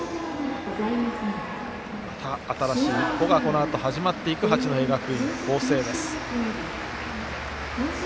また新しい一歩が始まっていく八戸学院光星です。